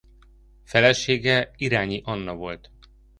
Felesége Irányi Anna volt.